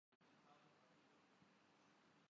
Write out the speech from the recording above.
کچھ روزگار کا مسئلہ۔